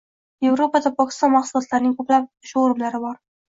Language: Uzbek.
Yevropada Pokiston mahsulotlarining ko‘plab shourumlari bor